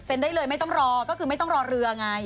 เป็นได้เลยไม่ต้องรอก็คือไม่ต้องรอเรือไง